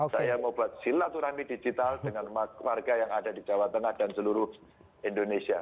saya mau buat silaturahmi digital dengan warga yang ada di jawa tengah dan seluruh indonesia